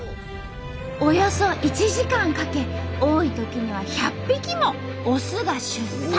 およそ１時間かけ多いときには１００匹もオスが出産。